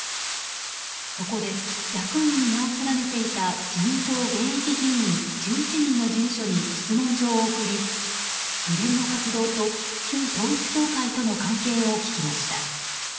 そこで役員に名を連ねていた自民党現役議員１１人の事務所に質問状を送り議連の活動と旧統一教会との関係を聞きました。